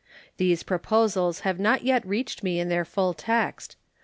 These proposals have not yet reached me in their full text.